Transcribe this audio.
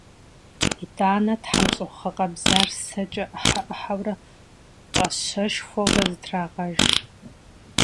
ИтӀанэ тхьэмщӀыгъу гъэкъэбзар сэкӀэ Ӏыхьэ-Ӏыхьэурэ, пӀащэшхуэурэ зэтрагъэж.